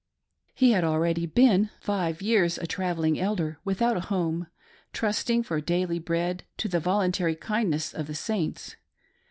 He had already been five years a travelling elder, without a home, trusting for daily bread to the voluntary kindness of the Saints.